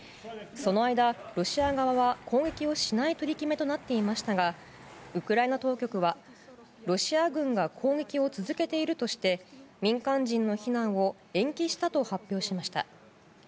その間、ロシア側は攻撃をしない取り決めとなっていましたがウクライナ当局は、ロシア軍が攻撃を続けているとして民間人の避難を延期したと発表しました。